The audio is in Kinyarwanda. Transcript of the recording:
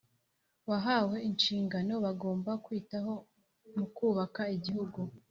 wahawe inshingano bagomba kwitaho mu kubaka igihugu